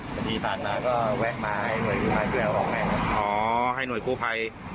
พี่ต่างนอก็แวะมาให้หน่วยคู่ภาย